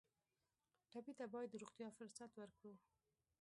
ټپي ته باید د روغتیا فرصت ورکړو.